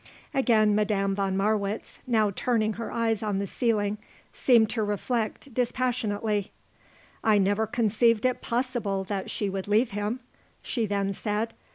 Again Madame von Marwitz, now turning her eyes on the ceiling, seemed to reflect dispassionately. "I never conceived it possible that she would leave him," she then said.